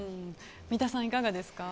三田さん、いかがですか？